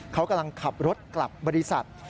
เขากำลังขับรถกลับบริษัท